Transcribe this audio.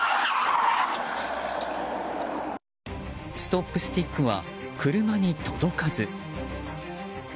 ストップスティックは車に届かず。